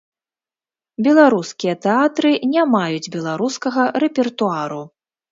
Беларускія тэатры не маюць беларускага рэпертуару.